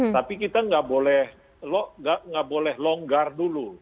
tapi kita nggak boleh longgar dulu